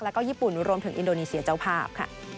แล้วก็ญี่ปุ่นรวมถึงอินโดนีเซียเจ้าภาพค่ะ